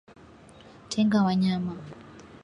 Tenga wanyama